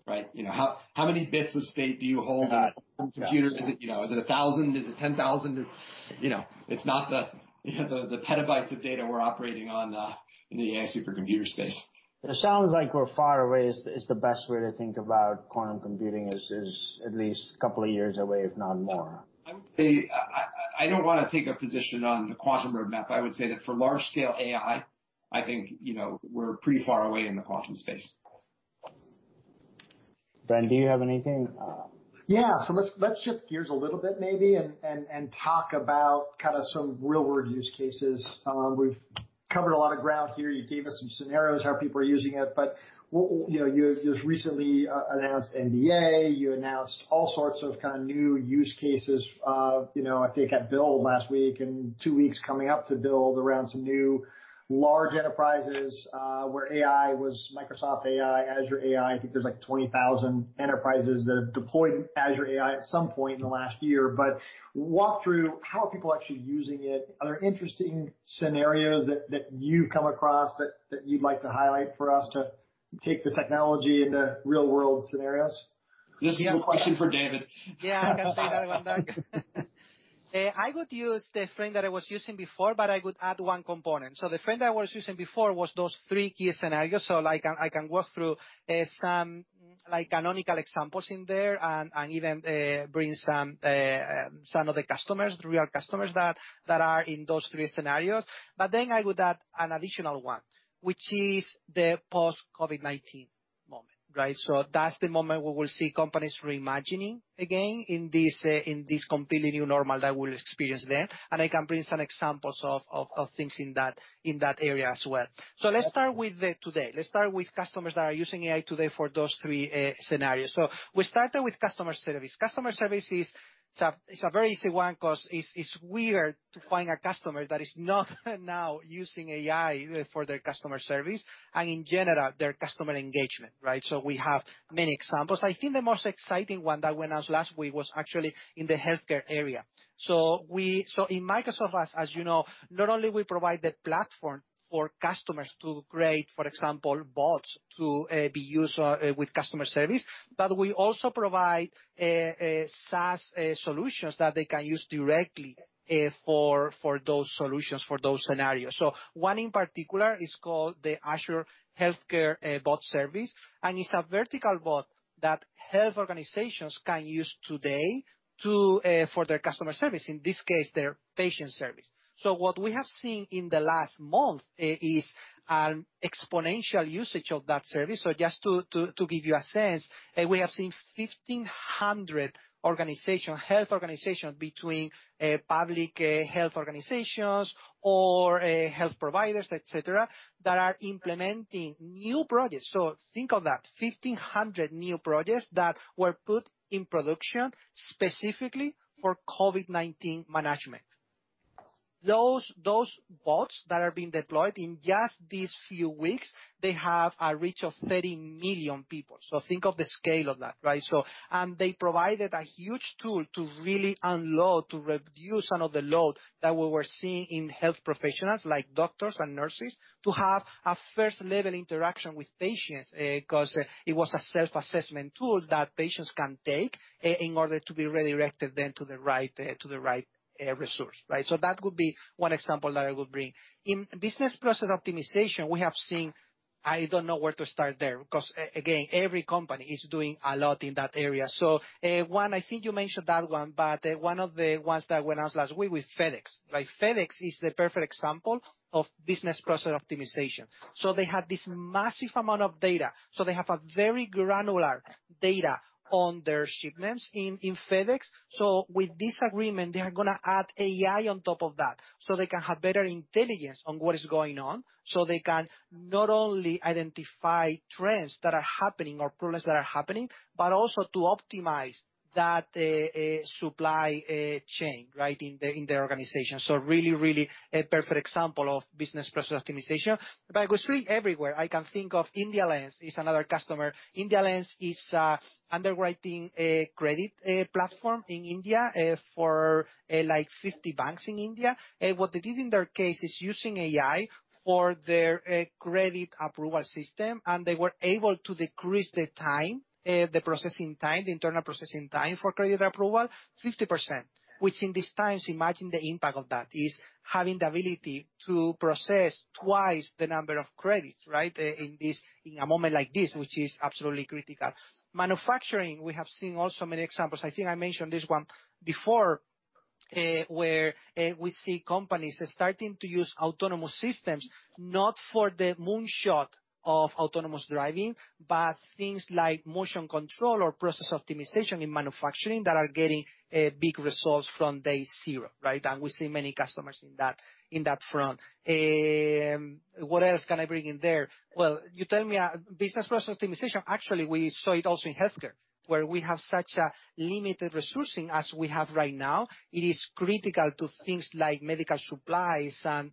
Speaker 4: Okay. Got it. How many bits of state do you hold in a computer? Is it 1,000? Is it 10,000? It's not the terabytes of data we're operating on in the AI supercomputer space. It sounds like we're far away is the best way to think about quantum computing is at least a couple of years away, if not more.
Speaker 2: I would say, I don't want to take a position on the quantum roadmap. I would say that for large-scale AI, I think we're pretty far away in the quantum space.
Speaker 4: Ben, do you have anything?
Speaker 1: Yeah. Let's shift gears a little bit maybe and talk about some real-world use cases. We've covered a lot of ground here. You gave us some scenarios how people are using it. You just recently announced [NDA], you announced all sorts of new use cases, I think at Build last week and 2 weeks coming up to Build around some new large enterprises, where AI was Microsoft AI, Azure AI. I think there's like 20,000 enterprises that have deployed Azure AI at some point in the last year. Walk through how are people actually using it. Are there interesting scenarios that you've come across that you'd like to highlight for us to take the technology into real-world scenarios?
Speaker 2: This is a question for David.
Speaker 3: Yeah, I can take that one, Doug. I would use the frame that I was using before. I would add one component. The frame that I was using before was those three key scenarios. I can work through some canonical examples in there and even bring some of the customers, real customers that are in those three scenarios. I would add an additional one, which is the post-COVID-19 moment. That's the moment where we'll see companies reimagining again in this completely new normal that we'll experience there. I can bring some examples of things in that area as well. Let's start with today. Let's start with customers that are using AI today for those three scenarios. We started with customer service. Customer service is a very easy one because it's weird to find a customer that is not now using AI for their customer service and in general, their customer engagement. We have many examples. I think the most exciting one that went out last week was actually in the healthcare area. In Microsoft, as you know, not only we provide the platform for customers to create, for example, bots to be used with customer service, but we also provide SaaS solutions that they can use directly for those solutions, for those scenarios. One in particular is called the Azure Health Bot Service. It's a vertical bot that health organizations can use today for their customer service, in this case, their patient service. What we have seen in the last month is an exponential usage of that service. Just to give you a sense, we have seen 1,500 health organizations between public health organizations or health providers, et cetera, that are implementing new projects. Think of that, 1,500 new projects that were put in production specifically for COVID-19 management. Those bots that are being deployed in just these few weeks, they have a reach of 30 million people. Think of the scale of that. They provided a huge tool to really unload, to reduce some of the load that we were seeing in health professionals, like doctors and nurses, to have a first-level interaction with patients, because it was a self-assessment tool that patients can take in order to be redirected then to the right resource. That would be one example that I would bring. In business process optimization, we have seen, I don't know where to start there, because, again, every company is doing a lot in that area. One, I think you mentioned that one, but one of the ones that went out last week was FedEx. FedEx is the perfect example of business process optimization. They had this massive amount of data. They have a very granular data on their shipments in FedEx. With this agreement, they are going to add AI on top of that so they can have better intelligence on what is going on, so they can not only identify trends that are happening or problems that are happening, but also to optimize that supply chain in their organization. Really a perfect example of business process optimization. It was really everywhere. I can think of [IndiaLends] is another customer. [IndiaLends] is underwriting a credit platform in India for 50 banks in India. What they did in their case is using AI for their credit approval system, they were able to decrease the internal processing time for credit approval 50%, which in these times, imagine the impact of that, is having the ability to process twice the number of credits in a moment like this, which is absolutely critical. Manufacturing, we have seen also many examples. I think I mentioned this one before, where we see companies starting to use autonomous systems, not for the moonshot of autonomous driving, but things like motion control or process optimization in manufacturing that are getting big results from day zero. We see many customers in that front. What else can I bring in there? Well, you tell me, business process optimization, actually, we saw it also in healthcare, where we have such a limited resourcing as we have right now, it is critical to things like medical supplies and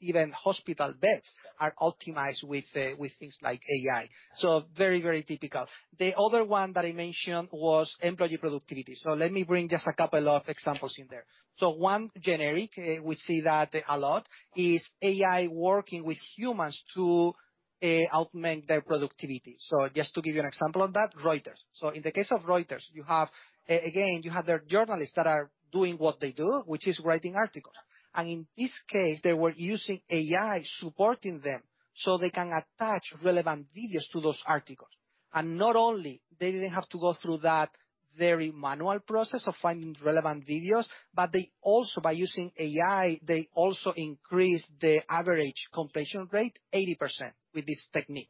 Speaker 3: even hospital beds are optimized with things like AI. Very typical. The other one that I mentioned was employee productivity. Let me bring just a couple of examples in there. One generic, we see that a lot, is AI working with humans to augment their productivity. Just to give you an example on that, Reuters. In the case of Reuters, you have, again, you have their journalists that are doing what they do, which is writing articles. In this case, they were using AI supporting them so they can attach relevant videos to those articles. Not only they didn't have to go through that very manual process of finding relevant videos, but by using AI, they also increased the average completion rate 80% with this technique.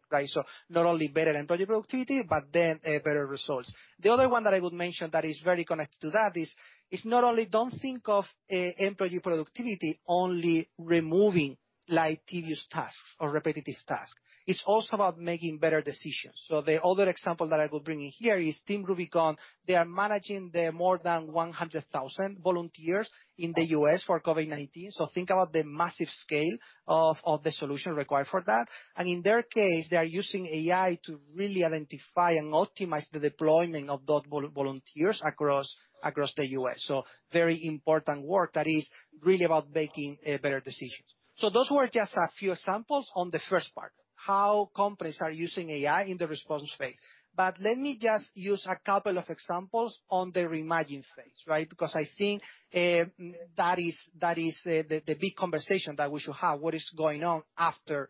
Speaker 3: Not only better employee productivity, but then better results. The other one that I would mention that is very connected to that is not only don't think of employee productivity only removing tedious tasks or repetitive tasks. It's also about making better decisions. The other example that I will bring in here is Team Rubicon. They are managing the more than 100,000 volunteers in the U.S. for COVID-19. Think about the massive scale of the solution required for that. In their case, they are using AI to really identify and optimize the deployment of those volunteers across the U.S. Very important work that is really about making better decisions. Those were just a few examples on the first part, how companies are using AI in the response phase. Let me just use a couple of examples on the reimagine phase. I think that is the big conversation that we should have, what is going on after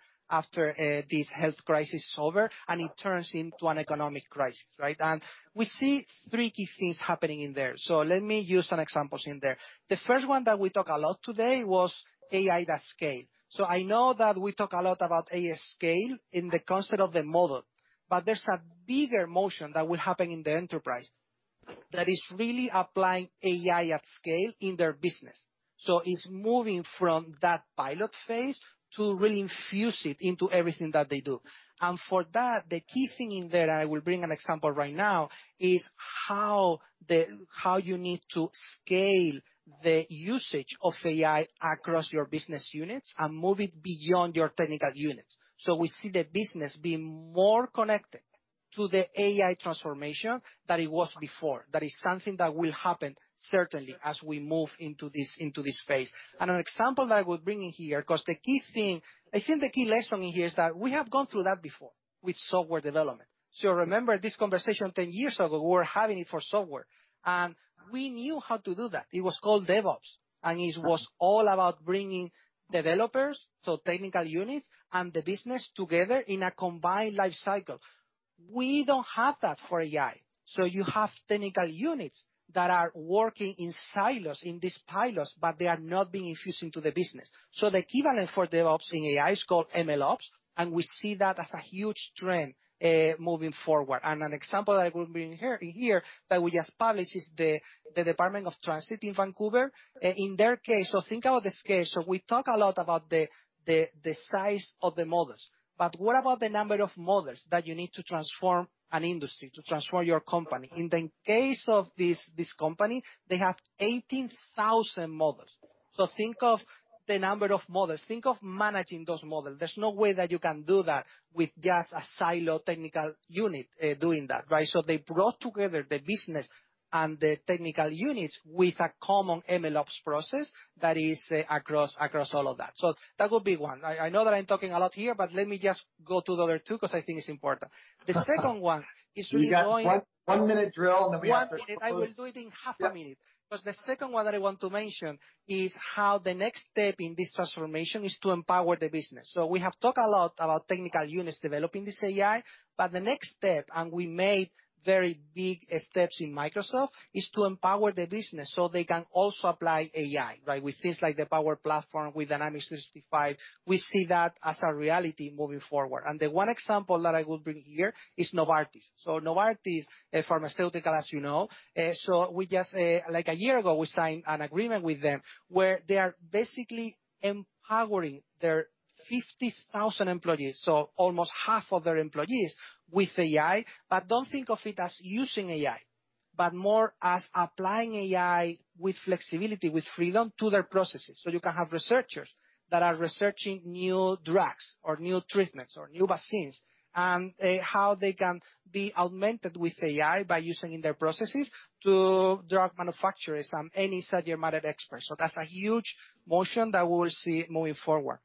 Speaker 3: this health crisis is over and it turns into an economic crisis. We see three key things happening in there. Let me use some examples in there. The first one that we talk a lot today was AI at scale. I know that we talk a lot about AI at scale in the concept of the model, but there's a bigger motion that will happen in the enterprise that is really applying AI at scale in their business. It's moving from that pilot phase to really infuse it into everything that they do. For that, the key thing in there, and I will bring an example right now, is how you need to scale the usage of AI across your business units and move it beyond your technical units. We see the business being more connected to the AI transformation than it was before. That is something that will happen certainly as we move into this phase. An example that I would bring in here, because I think the key lesson here is that we have gone through that before with software development. Remember this conversation 10 years ago, we were having it for software. We knew how to do that. It was called DevOps, and it was all about bringing developers, technical units, and the business together in a combined life cycle. We don't have that for AI. You have technical units that are working in silos, in these pilots, but they are not being infused into the business. The equivalent for DevOps in AI is called MLOps, and we see that as a huge trend moving forward. An example I will bring in here that we just published is TransLink. In their case, think about the scale. We talk a lot about the size of the models, but what about the number of models that you need to transform an industry, to transform your company? In the case of this company, they have 18,000 models. Think of the number of models. Think of managing those models. There's no way that you can do that with just a silo technical unit doing that. They brought together the business and the technical units with a common MLOps process that is across all of that. That would be one. I know that I'm talking a lot here, let me just go to the other two because I think it's important. The second one is really going.
Speaker 1: You got one-minute drill, then we have to close
Speaker 3: I will do it in half a minute.
Speaker 1: Yeah.
Speaker 3: The second one that I want to mention is how the next step in this transformation is to empower the business. We have talked a lot about technical units developing this AI, but the next step, and we made very big steps in Microsoft, is to empower the business so they can also apply AI. With things like the Power Platform, with Dynamics 365, we see that as a reality moving forward. The one example that I will bring here is Novartis. Novartis, a pharmaceutical, as you know. A year ago, we signed an agreement with them where they are basically empowering their 50,000 employees, so almost half of their employees, with AI. Don't think of it as using AI, but more as applying AI with flexibility, with freedom to their processes. You can have researchers that are researching new drugs or new treatments or new vaccines, and how they can be augmented with AI by using in their processes to drug manufacturers and any subject matter expert. That's a huge motion that we will see moving forward.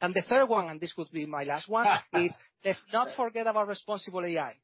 Speaker 3: The third one, and this could be my last one is let's not forget about responsible AI.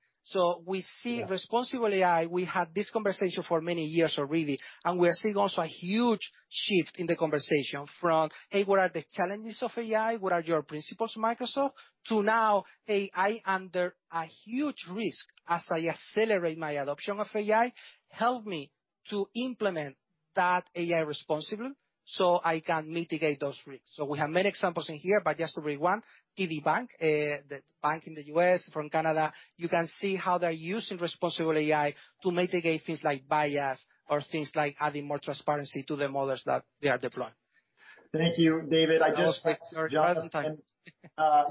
Speaker 3: We see responsible AI, we had this conversation for many years already, and we are seeing also a huge shift in the conversation from, "Hey, what are the challenges of AI? What are your principles, Microsoft?" To now, "Hey, I'm under a huge risk as I accelerate my adoption of AI. Help me to implement that AI responsibly so I can mitigate those risks." We have many examples in here, but just to bring one, TD Bank, the bank in the U.S. from Canada. You can see how they're using responsible AI to mitigate things like bias or things like adding more transparency to the models that they are deploying.
Speaker 1: Thank you, David.
Speaker 3: I will stop. Sorry for all the time.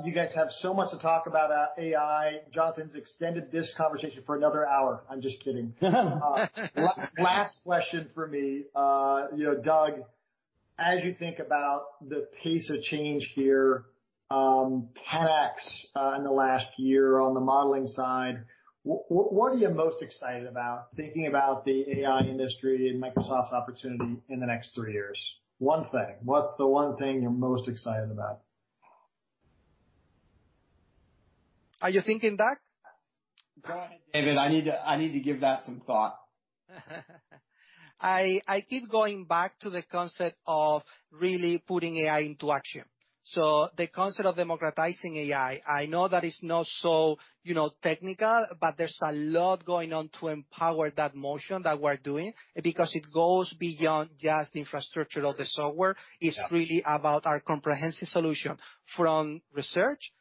Speaker 1: You guys have so much to talk about AI. Jonathan's extended this conversation for another hour. I'm just kidding. Last question from me. Doug, as you think about the pace of change here, 10 times in the last year on the modeling side, what are you most excited about, thinking about the AI industry and Microsoft's opportunity in the next three years? One thing. What's the one thing you're most excited about?
Speaker 3: Are you thinking, Doug?
Speaker 2: Go ahead, David. I need to give that some thought.
Speaker 3: I keep going back to the concept of really putting AI into action. The concept of democratizing AI, I know that it's not so technical, but there's a lot going on to empower that motion that we're doing, because it goes beyond just the infrastructure of the software.
Speaker 1: Yeah.
Speaker 3: It's really about our comprehensive solution, from research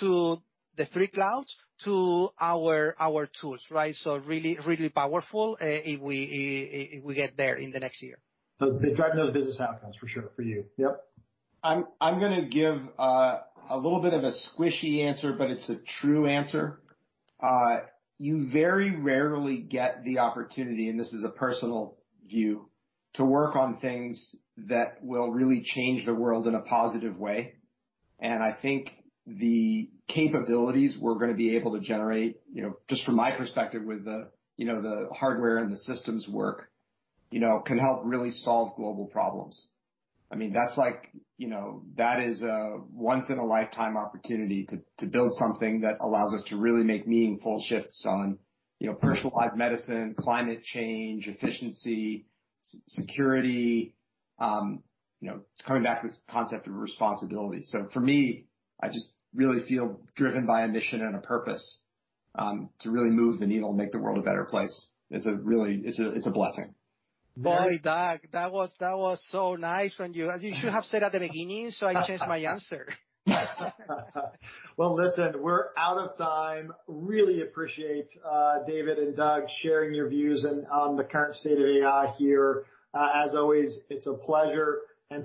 Speaker 3: to the three clouds to our tools. Really powerful if we get there in the next year.
Speaker 1: Driving those business outcomes, for sure, for you.
Speaker 2: Yep. I'm going to give a little bit of a squishy answer, but it's a true answer. You very rarely get the opportunity, and this is a personal view, to work on things that will really change the world in a positive way. I think the capabilities we're going to be able to generate, just from my perspective with the hardware and the systems work, can help really solve global problems. That is a once-in-a-lifetime opportunity to build something that allows us to really make meaningful shifts on personalized medicine, climate change, efficiency, security. It's coming back to this concept of responsibility. For me, I just really feel driven by a mission and a purpose, to really move the needle and make the world a better place. It's a blessing.
Speaker 3: Boy, Doug, that was so nice. You should have said at the beginning so I change my answer.
Speaker 1: Listen, we're out of time. Really appreciate, David and Doug, sharing your views on the current state of AI here. As always, it's a pleasure,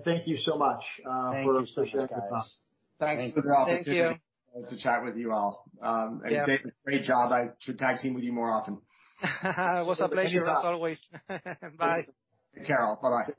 Speaker 1: thank you so much for spending the time.
Speaker 2: Thank you so much, guys.
Speaker 1: Thank you, Jonathan.
Speaker 3: Thank you.
Speaker 2: Nice to chat with you all.
Speaker 1: Yeah.
Speaker 2: David, great job. I should tag team with you more often.
Speaker 3: It was a pleasure, as always. Bye.
Speaker 1: Carol, bye-bye.